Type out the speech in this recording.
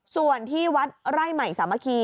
ส่วนที่วัดไร่ใหม่สามัคคี